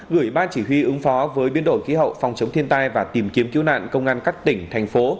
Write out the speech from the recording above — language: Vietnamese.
gửi ban chỉ huy ứng phó với biên đội khi hậu phòng chống thiên tai và tìm kiếm cứu nạn công an các tỉnh thành phố